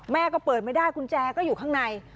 ก็เปิดไม่ได้กุญแจก็อยู่ข้างใน